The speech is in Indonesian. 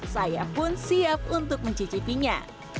saya pun siap untuk mencicipinya